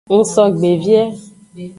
Ngsogbe vie.